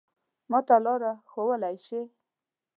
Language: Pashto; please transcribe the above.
ما ته لاره ښوولای شې؟